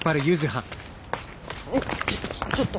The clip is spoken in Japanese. えっちょちょっと！